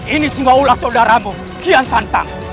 ini singaulah saudaramu kian santang